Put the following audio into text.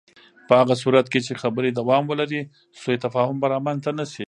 په هغه صورت کې چې خبرې دوام ولري، سوء تفاهم به رامنځته نه شي.